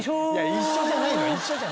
一緒じゃないの。